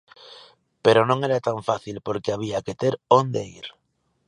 Pero non era tan fácil, porque había que ter onde ir.